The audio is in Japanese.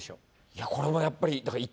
いやこれもやっぱり。